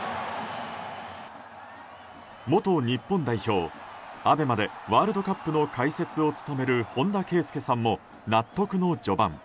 元日本代表、ＡＢＥＭＡでワールドカップの解説を務める本田圭佑さんも納得の序盤。